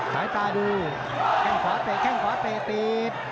สายตาดูแข้งขวาเตะแข้งขวาเตะตีด